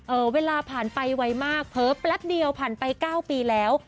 เอ่อเวลาผ่านไปไวมากเพิ่มแปลกเดียวผ่านไป๙ปีแล้ว